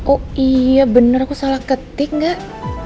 oh iya bener aku salah ketik gak